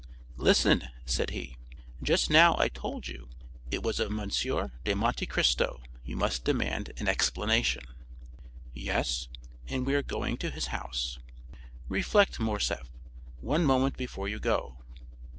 "Listen," said he; "just now I told you it was of M. de Monte Cristo you must demand an explanation." "Yes; and we are going to his house." "Reflect, Morcerf, one moment before you go."